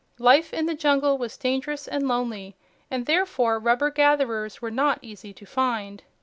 Life in the jungle was dangerous and lonely, and therefore rubber gatherers were not easy to find.